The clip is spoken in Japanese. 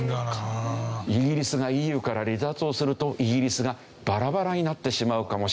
イギリスがＥＵから離脱をするとイギリスがバラバラになってしまうかもしれないという。